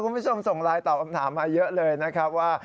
คุณผู้ชมส่งไลน์ตอบคำถามมาเยอะเลยนะครับว่า